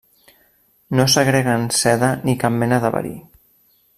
No segreguen seda ni cap mena de verí.